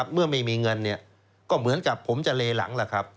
เมื่อไม่มีเงินก็เหมือนกับผมจะเลหลังล่ะครับ